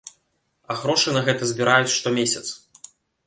А грошы на гэта збіраюць штомесяц.